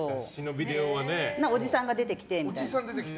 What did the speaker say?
おじさんが出てきてみたいな。